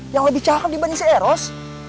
yang lebih cake dibanding si eros